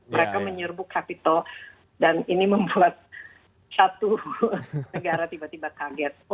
mereka menyerbuk capital dan ini membuat satu negara tiba tiba kaget